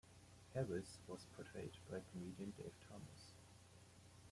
Harris was portrayed by comedian Dave Thomas.